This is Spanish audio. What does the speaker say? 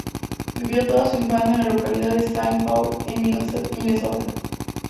Vivió toda su infancia en la localidad de Saint Paul, en Minnesota.